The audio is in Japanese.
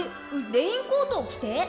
レインコートをきて？